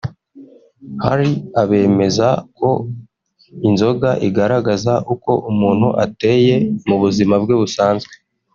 Hari abemeza ko inzoga igaragaza uko umuntu ateye mu buzima bwe busanzwe